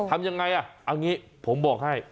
ทำยังไงอ่ะเอางี้ผมบอกให้